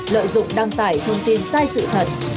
lợi dụng đăng tải thông tin sai sự thật